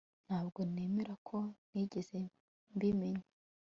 Ntabwo nemera ko ntigeze mbimenya